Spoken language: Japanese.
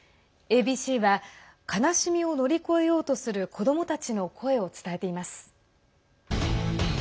ＡＢＣは悲しみを乗り越えようとする子どもたちの声を伝えています。